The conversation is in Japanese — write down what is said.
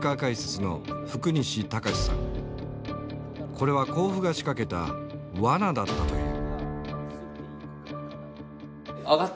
これは甲府が仕掛けた罠だったという。